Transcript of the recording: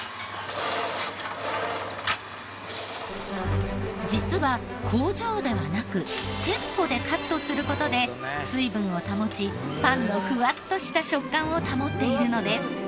そして実は工場ではなく店舗でカットする事で水分を保ちパンのふわっとした食感を保っているのです。